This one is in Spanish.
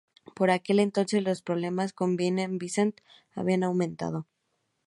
Por aquel entonces, los problemas con Vinnie Vincent habían aumentado.